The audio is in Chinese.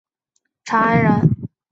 长安人。